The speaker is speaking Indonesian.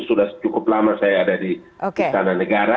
sudah cukup lama saya ada di istana negara